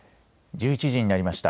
１１時になりました。